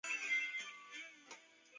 还有很多贷款要还哪